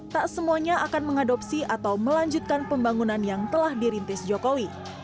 tak semuanya akan mengadopsi atau melanjutkan pembangunan yang telah dirintis jokowi